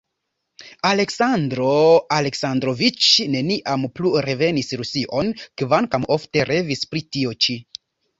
Aleksandro Aleksandroviĉ neniam plu revenis Rusion, kvankam ofte revis pri tio ĉi.